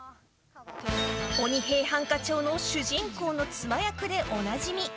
「鬼平犯科帳」の主人公の妻役でおなじみ。